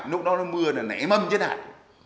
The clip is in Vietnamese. lúc đó nó mưa là nảy mâm trên hải